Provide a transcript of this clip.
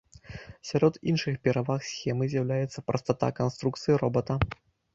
Сярод іншых пераваг схемы з'яўляецца прастата канструкцыі робата.